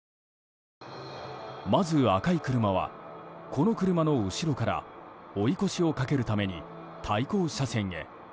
まず赤い車は、この車の後ろから追い越しをかけるために対向車両へ。